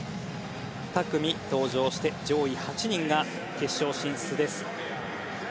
２組、登場して上位８人が決勝進出です。